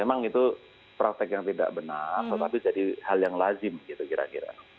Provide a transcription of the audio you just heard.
memang itu praktek yang tidak benar tetapi jadi hal yang lazim gitu kira kira